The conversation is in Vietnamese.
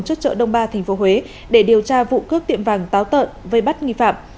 trước chợ đông ba tp huế để điều tra vụ cướp tiệm vàng táo tợn vây bắt nghi phạm